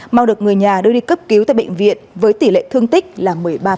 mau được người nhà đưa đi cấp cứu tại bệnh viện với tỷ lệ thương tích là một mươi ba